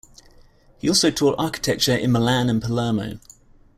He also taught architecture in Milan and Palermo.